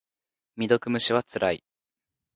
未読無視はつらい。